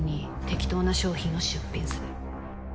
適当な商品を出品する